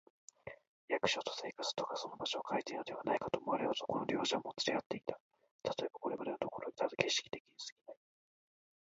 役所と生活とがその場所をかえているのではないか、と思われるほど、この両者はもつれ合っていた。たとえば、これまでのところはただ形式的にすぎない、